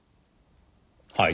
はい？